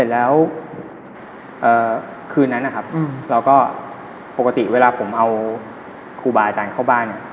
แล้วคืนนั้นนะครับปกติเวลาผมเอาครูบายอาจารย์เข้าบ้าน